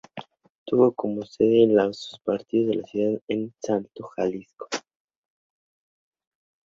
Tuvo como sede de sus partidos la ciudad de El Salto, Jalisco.